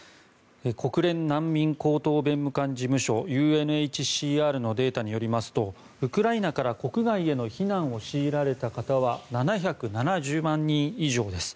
国連難民高等弁務官事務所・ＵＮＨＣＲのデータによりますとウクライナから国外への避難を強いられた方は７７０万人以上です。